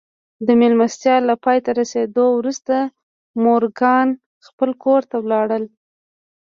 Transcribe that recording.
د مېلمستيا له پای ته رسېدو وروسته مورګان خپل کور ته ولاړ.